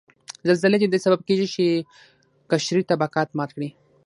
زلزلې ددې سبب کیږي چې قشري طبقات مات کړي